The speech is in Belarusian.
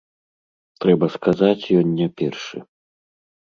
Трэба сказаць, ён не першы.